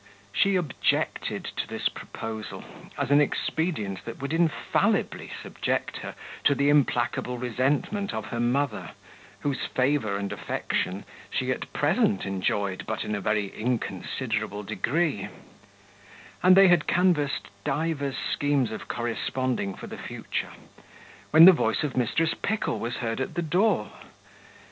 She objected to this proposal as an expedient that would infallibly subject her to the implacable resentment of her mother, whose favour and affection she at present enjoyed but in a very inconsiderable degree; and they had canvassed divers schemes of corresponding for the future, when the voice of Mrs. Pickle was heard at the door.